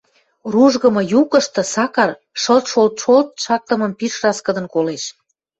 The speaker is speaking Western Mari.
Ружгымы юкышты Сакар шылт-шолт-шолт шактымым пиш раскыдын колеш.